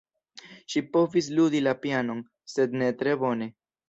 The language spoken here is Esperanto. Ŝi povis ludi la pianon, sed ne tre bone.